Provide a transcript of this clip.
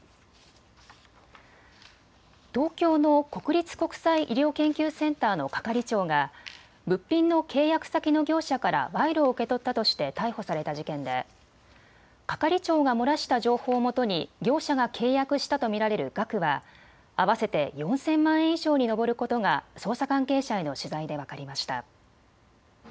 東京の国立国際医療研究センターの係長が物品の契約先の業者から賄賂を受け取ったとして逮捕された事件で係長が漏らした情報をもとに業者が契約したと見られる額は合わせて４０００万円以上に上ることが捜査関係者への取材で分かりました。